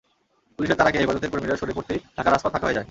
পুলিশের তাড়া খেয়ে হেফাজতের কর্মীরা সরে পড়তেই ঢাকার রাজপথ ফাঁকা হয়ে যায়।